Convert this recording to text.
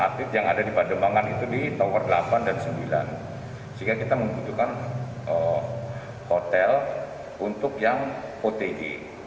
atlet yang ada di pademangan itu di tower delapan dan sembilan sehingga kita membutuhkan hotel untuk yang oted